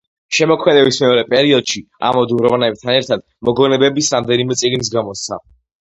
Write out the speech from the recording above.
შემოქმედების მეორე პერიოდში ამადუმ რომანებთან ერთად, მოგონებების რამდენიმე წიგნიც გამოსცა.